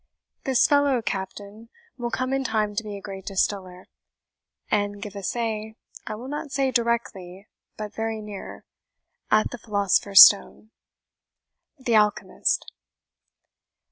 This fellow, Captain, Will come in time to be a great distiller, And give a say (I will not say directly, But very near) at the philosopher's stone. THE ALCHEMIST.